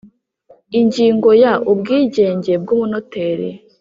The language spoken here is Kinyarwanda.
Ingingo ya Ubwigenge bw umunoteri